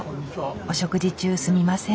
お食事中すみません。